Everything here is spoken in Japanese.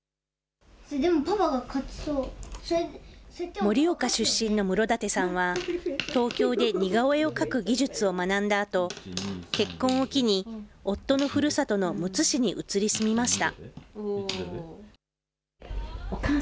盛岡出身の室舘さんは、東京で似顔絵を描く技術を学んだあと、結婚を機に、夫のふるさとのむつ市に移り住みました。